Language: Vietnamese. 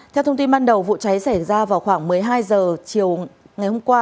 theo thông tin ban đầu vụ cháy xảy ra vào khoảng một mươi hai h chiều ngày hôm qua